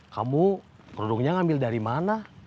kamu produknya ngambil dari mana